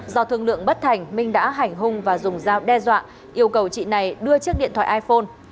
do thương lượng bất thành minh đã hành hung và dùng dao đe dọa yêu cầu chị này đưa chiếc điện thoại iphone